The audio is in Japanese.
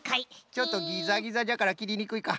ちょっとギザギザじゃからきりにくいか。